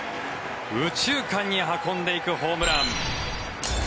右中間に運んでいくホームラン。